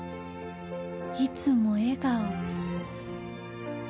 いつも笑顔。